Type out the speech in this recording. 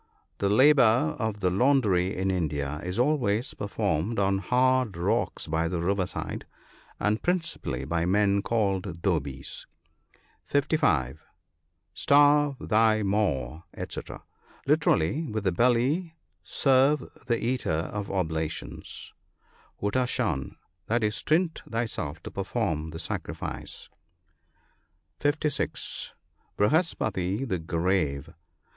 — The labour of the laundry in India is always per formed on hard rocks by the river side, and principally by men called "dhobies." (550 Starve thy maw> &c. — (Literally, "with the belly serve the Eater of oblations "— hutdshan)> i.e. stint thyself to perform the sacrifice. NOTES. 153 (56.) • Vrihaspati the Grave.